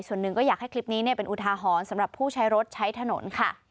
ส่วนหนึ่งก็อยากให้คลิปนี้เป็นอุทาหรณ์สำหรับผู้ใช้รถใช้ถนนค่ะ